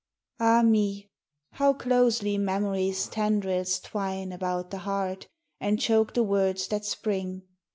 Ah me! How closely memory's tendrils twine About the heart, and choke the words that spring.